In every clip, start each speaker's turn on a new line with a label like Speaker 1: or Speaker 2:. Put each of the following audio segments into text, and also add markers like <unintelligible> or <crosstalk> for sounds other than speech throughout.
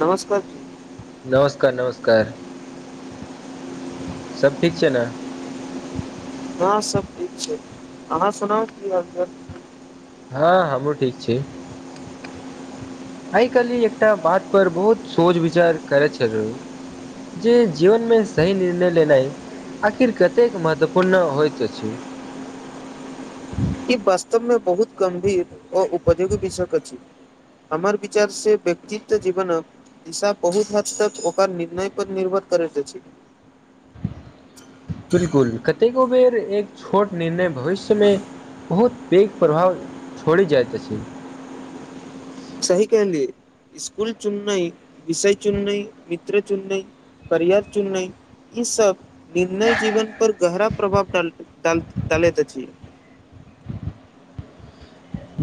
Speaker 1: नमस्कार।
Speaker 2: नमस्का नमस्कार सब ठीक छैय ने।
Speaker 1: हाँ सब ठीक छैय अहाँ सुनाउ कि हालचाल।
Speaker 2: हाँ हमहुँ ठीक छी। आइ कलि एकटा बात पर बहुत सोच विचार करे छलु। जे जीवन मे सही निर्णय लेनाइ। आखिर कतेक महत्वपूर्ण होइत अछि।
Speaker 1: इ वास्तव मे बहुत गंभीर आ उपधी विषयक अछि। हमर विचार से व्कक्तित्व जीवनक दिशा बहुत हद तक ओकर निर्णय पर निर्भर करै अछि।
Speaker 2: बिलकुल कतेको बेर एक छोट निर्णय भबिष्यमे बहुत पैघ प्रभाव छोड़े जाइत अछि।
Speaker 1: सही कहलिए। स्कूल चुन्नै, विषय चुन्नै, मित्र चुन्नै, करियर चुन्नै इ सब निर्णय जीबन पर गहरा प्रभाव डा डाल डालैत अछि।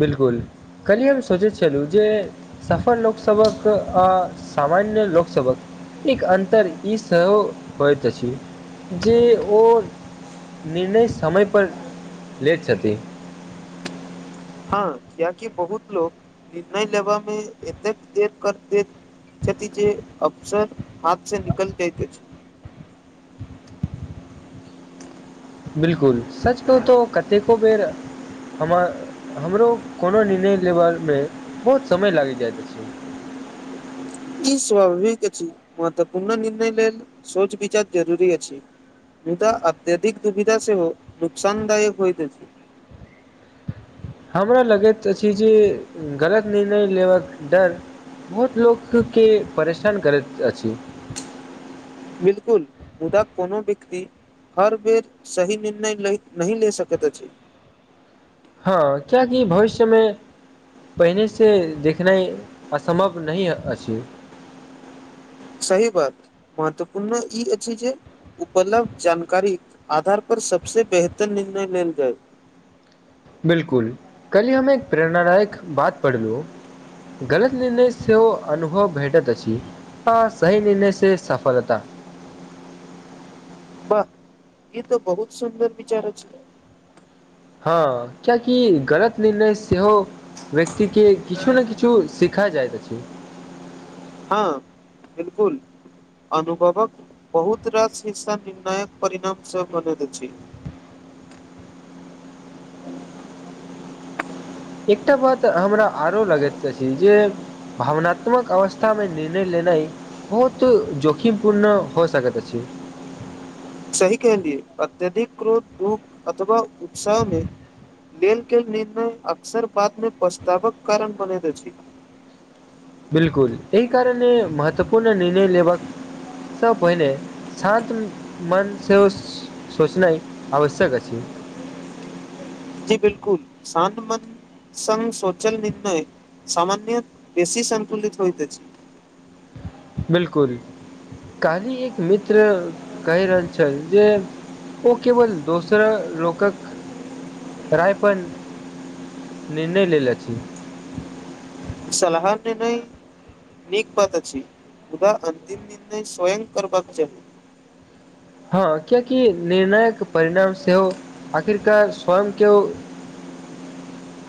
Speaker 2: बिलकुल कलि हम सोचै छलौ जे सफल लोकसबक आ सामान्य लोकसबक एक अन्तर इ सेहो होइत अछि जे ओ निर्णय समयपर लेैथ छथिन।
Speaker 1: हाँ कियाकि बहुत लोक निर्णय लेबा मे एतेक देर कर देत। छथि जे अपसर हाथ से निकल जाइत अछि।
Speaker 2: बिलकुल सचकहु त कतेको बेर हमर हमरो कोनो निर्णय लेबऽमे बहुत समय लागि जाइत अछि।
Speaker 1: ई स्वाभाविक अछि महत्वपूर्ण निर्णय लेल सोच विचार जरूरी अछि। मुदा अत्यधिक दुविधा सेहो नुकसानदायक होइत अछि।
Speaker 2: हमरा लगैत अछि जे गलत निर्णय लेबाक डर बहुत लोकके परेशान करैत अछि।
Speaker 1: बिलकुल मुदा कोनो व्यक्ति हर बेर सही निर्णय नहि ले सकैत अछि।
Speaker 2: हँ कियाकि भविष्यमे पहिनेसँ देखनाइ असम्भव नहि अछि।
Speaker 1: सही बात महत्वपूर्ण ई अछि जे उपलब्ध जानकारी आधार पर सबसे बेहतर निर्णय लेल जाय।
Speaker 2: बिलकुल, काल्हि हम एक प्रेरणादायक बात पढ़लहुं गलत निर्णय सेहो अनुभव भेटैत अछि। आ सही निर्णय से सफलता।
Speaker 1: वाह ई तऽ बहुत सुन्दर विचार अछि।
Speaker 2: हँ कियकि गलत निर्णय सेहो व्यक्ति के किछु ने किछु सिखा जाइत अछि।
Speaker 1: हँ बिलकुल। अनुभवक बहुत रास हिस्सा निर्णायक परिणाम से बनैत अछि।
Speaker 2: एकटा बात हमरा आरो लगैत अछि जे भावनात्मक अवस्था मे निर्णय लेनाइ बहुत जोखिमपूर्ण हो सकैत अछि।
Speaker 1: सही कहलियै, अत्यधिक क्रोध, दुःख अथवा उत्साह मे लेल गेल निर्णय अक्सर बात मे पछतावक कारण बनेैत अछि।
Speaker 2: बिलकुल, एहि कारणे महत्वपूर्ण निर्णय लेबाक सँ पहिने शान्त मनसँ सोचनाइ आवश्यक अछि।
Speaker 1: जी बिलकुल शान्त मन संग सोचल निर्णय सामान्यक बेसी संतुलित होइत अछि।
Speaker 2: बिलकुल, काल्हि एक मित्र कहि रहल छल जे ओ केवल दोसर लोकक राय पर निर्णय लेल अछि।
Speaker 1: सलाह केनाइ नीक बात अछि मुदा अन्तिम निर्णय स्वयं करबाक चाही।
Speaker 2: हँ कियाकि निर्णायक परिणाम सेहो आखिरकार स्वयं के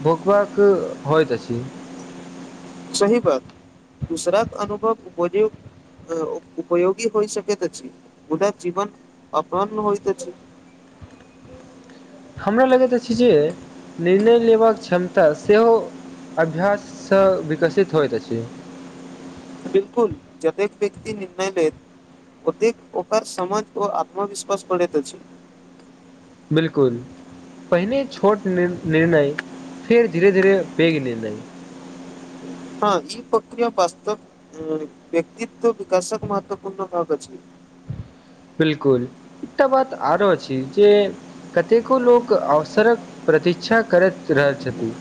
Speaker 2: भोगबाक होयत अछि।
Speaker 1: सही बात। दोसराक अनुभव उपज उपयोगी होइ सकैत अछि, मुदा जीवन अपन होइत अछि।
Speaker 2: हमरा लगैत अछि जे निर्णय लेबाक क्षमता सेहो अभ्याससँ विकसित होइत अछि।
Speaker 1: बिल्कुल जतेक व्यक्ति निर्णय लेत ओतेक ओकर समझ ओ आत्मविश्वास बढ़ैत अछि।
Speaker 2: बिलकुल। पहिने छोट निर्णय, फेर धीरे धीरे पैघ निर्णय।
Speaker 1: हँ ई प्रक्रिया वास्तव मे व्यक्तित्व विकासक महत्वपूर्ण भाग अछि।
Speaker 2: बिलकुल एकटा बात आरो अछि जे कतेको लोक अवसरक प्रतीक्षा करैत रहैत छथि।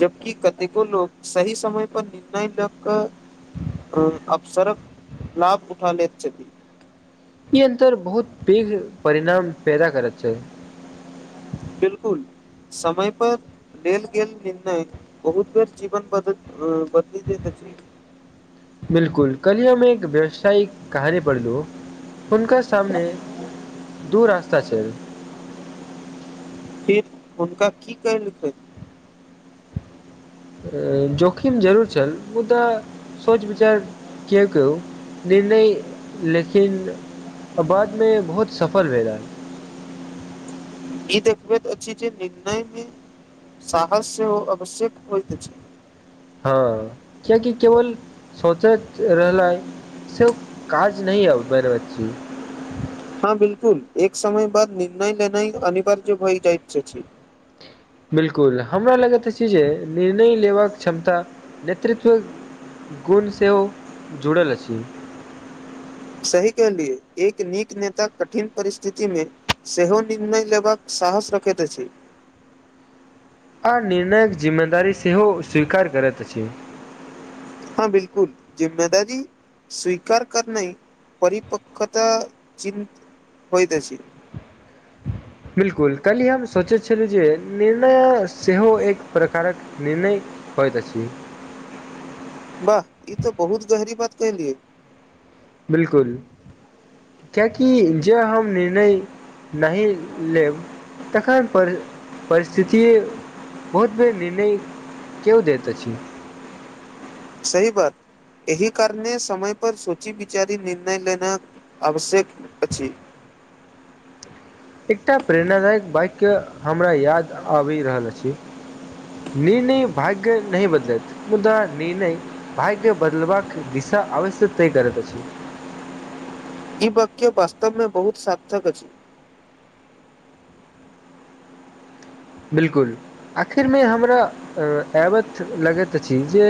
Speaker 1: जबकि कतेको लोक सही समय पर निर्णय लए कऽ अ अवसरक लाभ उठा लैत छथि।
Speaker 2: ई अंतर बहुत पैघ परिणाम पैदा करैत छै।
Speaker 1: बिलकुल समय पर देलगेल निर्णय भविष्यक जीवन बदल बदली दैत अछि।
Speaker 2: बिलकुल, काल्हि हम एक व्यावसायिक कहानी पढ़लहुं हुनका सामने दू रास्ता छलैन
Speaker 1: फिर हुनका की केलकैन।
Speaker 2: जोखिम जरूर छल मुदा सोच विचार किएकऽ निर्णय लेकिन आ बाद मे बहुत सफल भेलेए।
Speaker 1: ई देखबैत अछि जे निर्णय मे साहस सेहो आवश्यक होइत अछि।
Speaker 2: हँऽ कियेकि केवल सोचैत रहलाइ से ओ काज नै अ बड़ अच्ची।
Speaker 1: हँ बिलकुल एक समय बाद निर्णय लेनाइ अनिवार्य भए जाएत छछी।
Speaker 2: बिलकुल हमरा लगैत अछि जे निर्णय लेबाक क्षमता नेतृत्व गुण सेहो जुड़ल अछि।
Speaker 1: सही कहलियै एक नेक नेता कठिन परिस्थिति मे सेहो निर्णय लेबाक साहस रखैत अछि।
Speaker 2: आ निर्णयक जिम्मेदारी सेहो स्वीकार करत अछि।
Speaker 1: हँ बिलकुल जिम्मेदारी स्वीकार करनाइ परिपक्वता चिन्त होइत अछि।
Speaker 2: बिलकुल कल्हि हम सोचैत छलहुँ जे निर्णय सेहो एक प्रकारक निर्णय होयत अछि।
Speaker 1: बाह ई तऽ बहुत गहरी बात कैहलियै।
Speaker 2: बिलकुल। कियाकि जे हम निर्णय नहि लेब तखन पर -परिस्थिति बहुत बेर निर्णय केयो दैत अछि।
Speaker 1: सही बात। एहि कारणे समय पर सोची विचारी निर्णय लेनाक आवश्यक अछि।
Speaker 2: एकटा प्रेरणादायक बाइक्य हमरा याद आबि रहल अछि। निर्णय भाग्य नहि बदलत मुदा निर्णय भाग्य बदलबाक दिशा अवश्य तय करत अछि।
Speaker 1: इ बाक्य वास्तव मे बहुत सार्थक अछी।
Speaker 2: बिलकुल आखिर मे हमरा अ- एबथ लगत अछि जे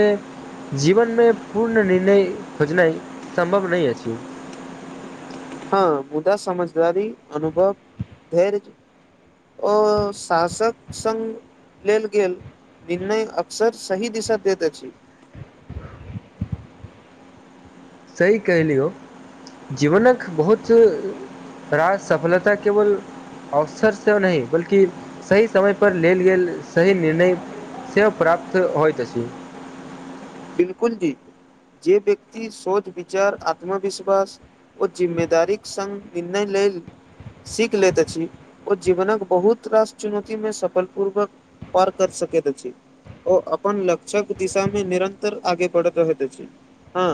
Speaker 2: जीवनमे पूर्ण निर्णय खोजनाइ सम्भव नहि अछि।
Speaker 1: हँ मुदा समझदारी अनुभव धैर्य ओ शासक संग लेल गेल निर्णय अक्सर सही दिशा दैत अछि।
Speaker 2: स सही कहिलियौ जीवनक बहुत रास सफलता केवल अवसर सेहो नहि बल्कि सही समय पर लेल गेल सही निर्णय से प्राप्त होइत अछि।
Speaker 1: बिलकुल जी जे व्यक्ति सोच विचार आत्मविश्वास ओ जिम्मेदारीक संग निर्णय लेल सीख लैत अछि ओ जीवनक बहुत रास चुनौती मे सफल पूर्वक पार कर सकैत अछि ओ अपन लक्षक दिशा मे निरन् तर आगे बढ़त रहैत अछि। हॅं।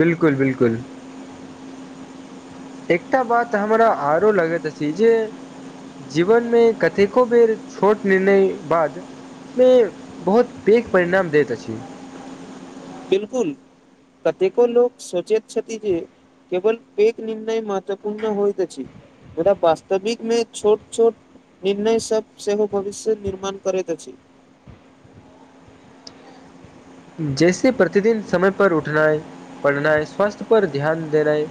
Speaker 2: बिलकुल, बिलकुल। एकटा बात हमरा आरो लगैत अछि जे जीवन मे कतेको बेर छोट निर्णय बाद मे बहुत पैघ परिणाम दैत अछि।
Speaker 1: बिलकुल कतेको लोक सोचैत छथिन जे केवल एक निन्य महत्वपूर्ण होइत अछि। थोरा वास्तविक मे छोट -छोट निर्णय सब सेहो भविष्य निर्माण करैत अछि।
Speaker 2: जैसे प्रतिदिन समय पर उठनाइ, पढ़नाइ, स्वास्थ्य पर ध्यान देनाइ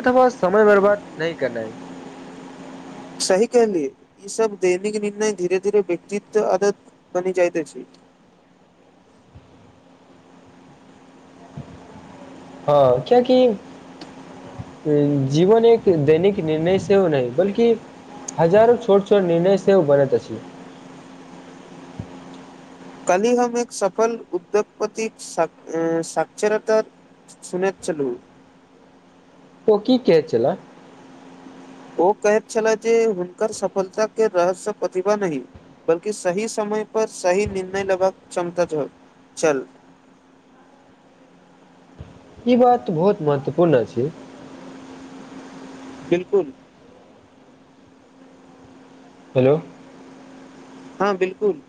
Speaker 2: अथवा समय बर्बाद नइ केनाई
Speaker 1: सही कहलिये ई सब दैनिक निर्णय धीरे - धीरे व्यक्तित्व आदत बनि जाइते अछि।
Speaker 2: हँ क्यकि जीवन एक दैनिक निर्णय सेहो नइ अइ बल्कि हजारो छोट - छोट निर्णय सेहो बनैत अछि
Speaker 1: कलिहमे एक सफल उद्योगपति स्षरत। <unintelligible> सुनैत चलू
Speaker 2: ओ की कहै छला
Speaker 1: ओ कहैत छले जे हुनकर सफलताके रहस्यसँ प्रतिभा नहि। बल्कि सही समय पर सही निर्णय लेबाक क्षमता छ हो चल
Speaker 2: ई बात बहुत महत्वपूर्ण अछि।
Speaker 1: बिलकुल
Speaker 2: हेलो
Speaker 1: हँ बिलकुल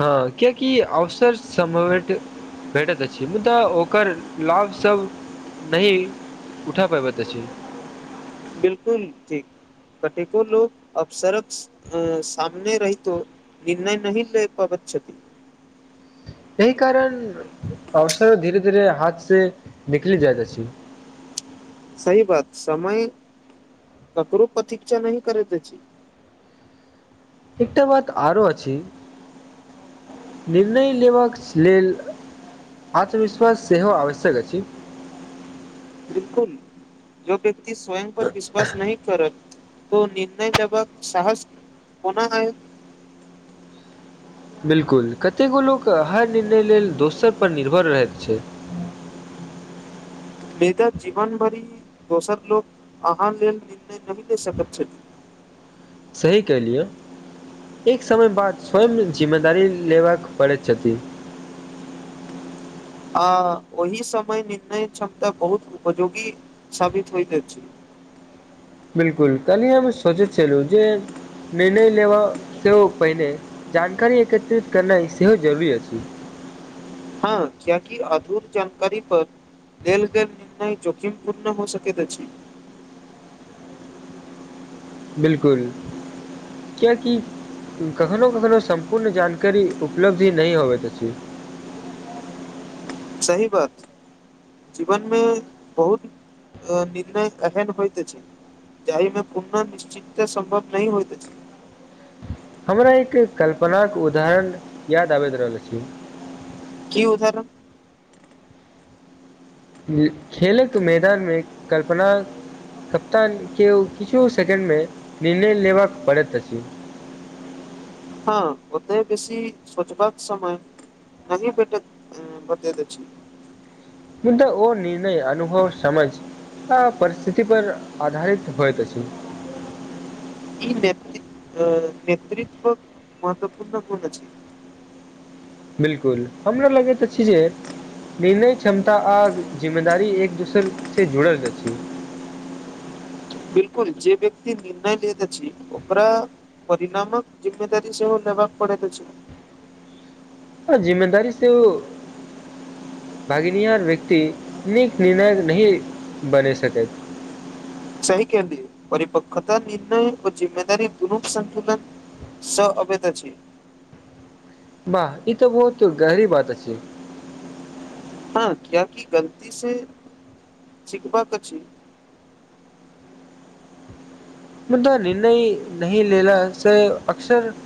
Speaker 2: हँ कियकि अवसर सम्भवित भेटैत अछि, मुदा ओकर लाभसभ नहि उठा पयबै अछि
Speaker 1: बिलकुल ठीक कतेको लोको अब सर्क अ सामने रहितो निर्णय नही लै पाबत छथि।
Speaker 2: एहि कारण अवसरो धीरे - धीरे हाथ से निकली जाइत जा अछी।
Speaker 1: सही बात समय ककरो प्रतीक्षा नहि करैत अछि।
Speaker 2: एकटा बात आरो अछी निर्णय लेबाक लेल आत्मविश्वास सेहो आवश्यक अछि।
Speaker 1: बिलकुल जो व्यक्ति स्वयं पर विश्वास नहि करत तो निर्णय लेभक साहस कोना अइ
Speaker 2: बिलकुल कतेको लोक हर निर्णय लेल दोसरपर निर्भर रहैत छै।
Speaker 1: बेदा जीवन भरि दोसर लोक अहाँ लेल निर्य नहि ले सकैत छथि
Speaker 2: सही कलियौ एक समय बाद स्वयं जिम्मेदारी लेबऽ पड़ैत छथि
Speaker 1: आ ओहि समय निर्णय क्षमता बहुत उपयोगी साबित होइत अइछ।
Speaker 2: बिलकुल कल्हि हम सोच छलहु जे निर्णय लेबऽ सेहो पहिने जानकारी एकत्रित करनाइ सेहो जरूरी अछि
Speaker 1: हँ क्या की अधूर जानकारी पर देल गेल निर्णय जोखिम पूर्ण हो सकैत अछि
Speaker 2: बिलकुल क्य की कखनो - कखनो सम्पूर्ण जानकारी उपलब्धी नहि होबैत अछि
Speaker 1: सही बात जीवन मे बहुत अ निर्णय एहन होइत अछि। जाहि में पुनः निश्चितत सम्भव नहि होइत अछि
Speaker 2: हमरा एक कल्पनाक उदाहरण याद आबैत रहल अछि।
Speaker 1: की उदाहरण
Speaker 2: खेलक मैदा मे कल्पना- - कप्तान के किछु सेकेंड मे निर्णय लेबाक पड़ैत अछि।
Speaker 1: हँ ओते बेसी सचबाक समय - - कन पट <unintelligible>
Speaker 2: मु तऽ ओ निर्णय अनुभव समझ- - आ परिस्थिति पर आधारित होइ त अछी।
Speaker 1: ई नेतृत्व -नेतृत्व महत्वपूर्ण कोन अछी।
Speaker 2: बिलकुल हमरा लगैत अछी जे- - निर्णय क्षमता आ जिम्मेदारी एक दोसर से जुड़ल रहै अछी।
Speaker 1: बिलकुल जे व्यक्ति निर्णय लैत अछी ओकरा- - परीरणामक जिम्ममेदारी सेहो लेबाक पड़े त अछी।
Speaker 2: आ जिम्मेदारी से ओ- - भागनिहार व्यक्ति नीक निर्णय नहि बनि सकैत।
Speaker 1: सही केलियै परिपकता निर्णय व जिम्मेदारी दुनु संन्तुलन। स अबे अछी।
Speaker 2: बाह ई तऽ बहुत गहरी बात अछि।
Speaker 1: हँ किय कि गलती से छिकबाक अछि।
Speaker 2: मुद्दा निर्णय नहि ले ल स अक्सर- -